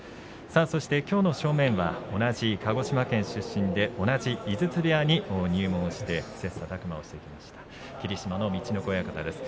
そして、きょうの正面は同じ鹿児島県出身で同じ井筒部屋に入門して切さたく磨してきました霧島の陸奥親方です。